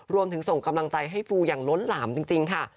ส่งกำลังใจให้ปูอย่างล้นหลามจริงค่ะ